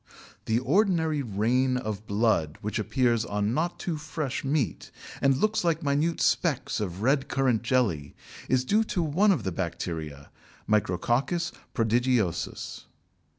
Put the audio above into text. The ordinary "Rain of Blood" which appears on not too fresh meat, and looks like minute specks of red currant jelly, is due to one of the Bacteria (Micrococcus prodigiosus).